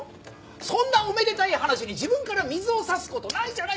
そんなおめでたい話に自分から水を差す事ないじゃないですか！